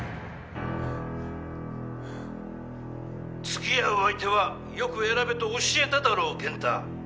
付き合う相手はよく選べと教えただろう健太。